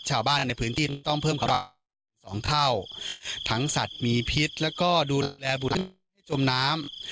ชาวบ้านในพื้นที่ต้องเพิ่มความสองเท่าทั้งสัตว์มีพิษแล้วก็ดูแลบุรุษให้จมน้ำ